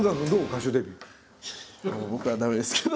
僕は駄目ですけど。